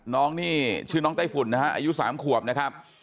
น้องนี่ชื่อน้องไต้ฝุ่นนะฮะอายุ๓ขวบนะครับ